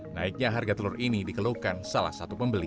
naiknya harga telur ini dikeluhkan salah satu pembeli